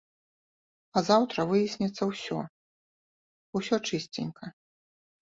А заўтра выясніцца ўсё, усё чысценька.